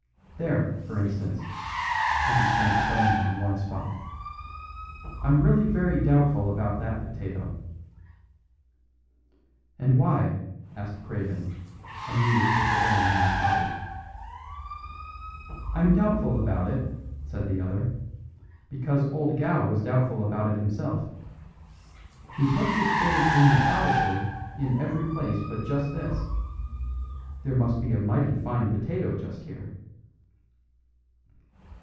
There, for instance," and he stamped suddenly on one spot. "I'm really very doubtful about that potato." "And why?" asked Craven, amused with the little man's hobby. "I'm doubtful about it," said the other, "because old Gow was doubtful about it himself. He put his spade in methodically in every place but just this. There must be a mighty fine potato just here."